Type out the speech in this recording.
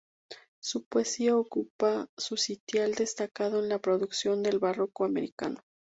Su poesía ocupa un sitial destacado en la producción del barroco americano.